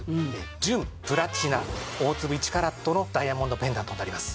純プラチナ大粒１カラットのダイヤモンドペンダントになります。